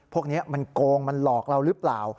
พวกนี้มันโกงมันหลอกเราหรือเปล่า